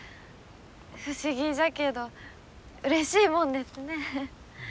不思議じゃけどうれしいもんですね。